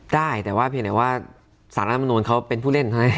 ได้แต่ว่าเพียงแต่ว่าสารรัฐธรรมนูลเขาเป็นผู้เล่น